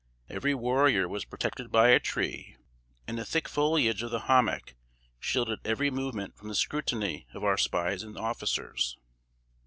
Every warrior was protected by a tree, and the thick foliage of the hommock shielded every movement from the scrutiny of our spies and officers.